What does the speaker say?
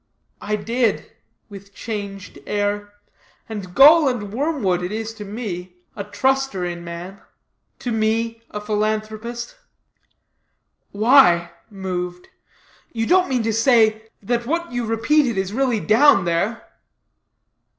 "I did," with changed air, "and gall and wormwood it is to me, a truster in man; to me, a philanthropist." "Why," moved, "you don't mean to say, that what you repeated is really down there?